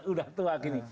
udah tua gini